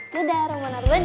dadah ramah naruh gani